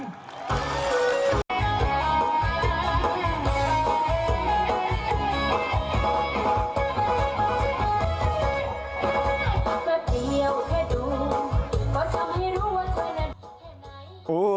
มาเดียวแค่ดู